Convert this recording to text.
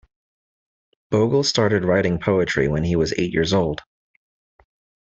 Bogle started writing poetry when he was eight years old.